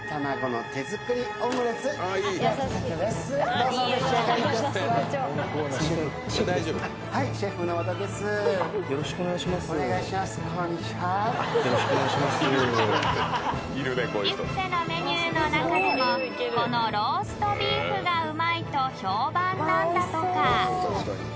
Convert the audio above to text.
［ビュッフェのメニューの中でもこのローストビーフがうまいと評判なんだとか］